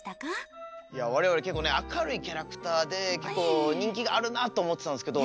我々結構ね明るいキャラクターで結構人気があるなと思ってたんですけど。